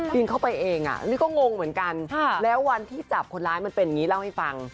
ยิงเข้าไปเองนี่ก็งงเหมือนกันแล้ววันที่จับคนร้ายมันเป็นอย่างนี้เล่าให้ฟัง